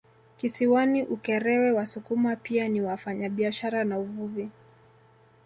Kisiwani Ukerewe Wasukuma pia ni wafanyabiashara na uvuvi